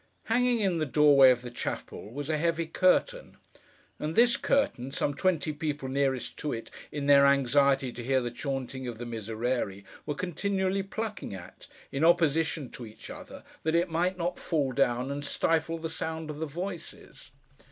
Hanging in the doorway of the chapel, was a heavy curtain, and this curtain, some twenty people nearest to it, in their anxiety to hear the chaunting of the Miserere, were continually plucking at, in opposition to each other, that it might not fall down and stifle the sound of the voices.